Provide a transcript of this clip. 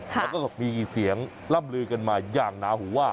แล้วก็มีเสียงล่ำลือกันมาอย่างหนาหูว่า